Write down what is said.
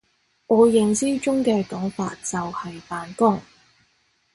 我認知中嘅講法就係扮工！